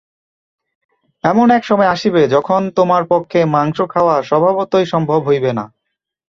এমন এক সময় আসিবে, যখন তোমার পক্ষে মাংস খাওয়া স্বভাবতই সম্ভব হইবে না।